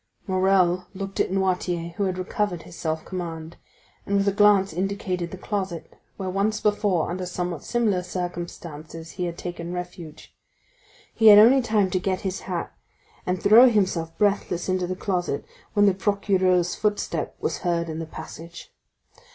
Morrel looked at Noirtier who had recovered his self command, and with a glance indicated the closet where once before under somewhat similar circumstances, he had taken refuge. He had only time to get his hat and throw himself breathless into the closet when the procureur's footstep was heard in the passage.